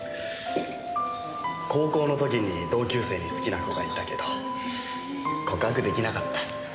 高校の時に同級生に好きな子がいたけど告白出来なかった。